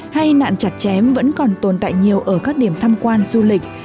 hay nạn chặt chém vẫn còn tồn tại nhiều ở các điểm thăm quan du lịch